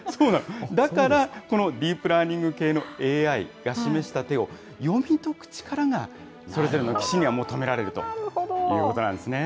だから、このディープラーニング系のＡＩが示した手を、読み解く力が、それぞれの棋士には求められるということなんですね。